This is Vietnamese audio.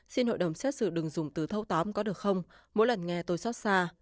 xin hội đồng xét xử đừng dùng từ thâu tóm có được không mỗi lần nghe tôi xót xa